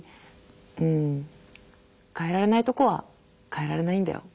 うん変えられないとこは変えられないんだよ。